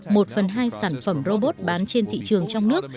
một phần hai sản phẩm robot bán trên thị trường trong nước